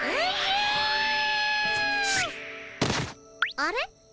あれ？